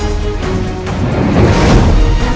aku sudah menang